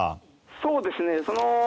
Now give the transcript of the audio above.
そうですね。